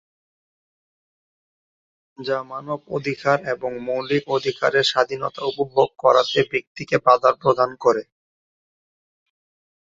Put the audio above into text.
যা মানব অধিকার এবং মৌলিক অধিকারের স্বাধীনতা উপভোগ করাতে ব্যক্তিকে বাধা প্রদান করে।